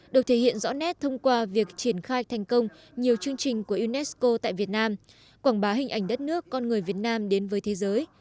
được thể hiện rõ nét thông qua việc triển khai thành công nhiều chương trình của unesco tại việt nam quảng bá hình ảnh đất nước con người việt nam đến với thế giới